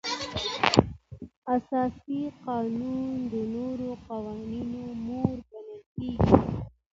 اساسي قانون د نورو قوانینو مور ګڼل کیږي.